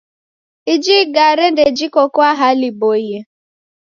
Iji igare ndejiko kwa hali iboie.